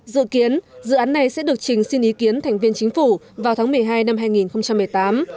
dự kiến dự án này sẽ được trình xin ý kiến thành viên chính phủ vào tháng một mươi hai năm hai nghìn một mươi tám